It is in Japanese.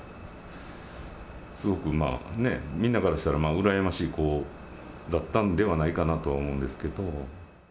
すごく、みんなからしたら羨ましい子だったんではないかなとは思うんですけど。